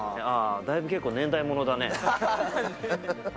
だいぶ結構、年代物だね。